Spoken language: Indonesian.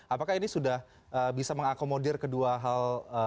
apakah ini sudah bisa mengakomodir kedua hal